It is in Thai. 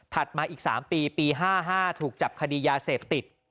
มาอีก๓ปีปี๕๕ถูกจับคดียาเสพติด